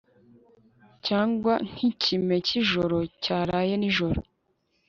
cyangwa nk'ikime cyijoro cyaraye nijoro